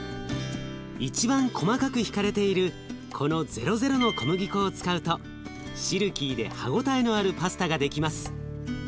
一番細かくひかれているこの「ゼロゼロ」の小麦粉を使うとシルキーで歯応えのあるパスタができます。